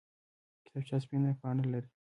کتابچه سپینه پاڼه لري